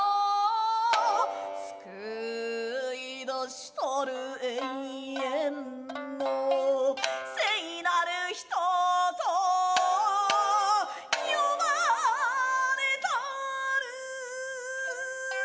「救い出したる永遠の」「聖なる人と呼ばれたる」